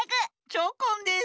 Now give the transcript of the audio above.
チョコンです。